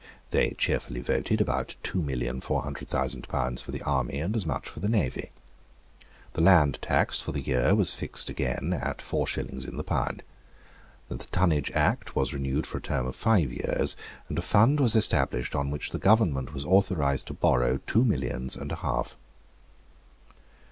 They cheerfully voted about two million four hundred thousand pounds for the army, and as much for the navy. The land tax for the year was again fixed at four shillings in the pound; the Tonnage Act was renewed for a term of five years; and a fund was established on which the government was authorised to borrow two millions and a half.